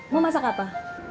mau masak apa